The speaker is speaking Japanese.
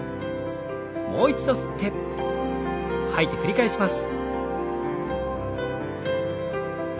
もう一度吸って吐いて繰り返します。